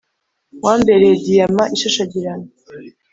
wambereye diyama ishashagirana.